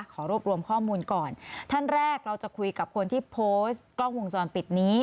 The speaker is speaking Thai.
ขอรวบรวมข้อมูลก่อนท่านแรกเราจะคุยกับคนที่โพสต์กล้องวงจรปิดนี้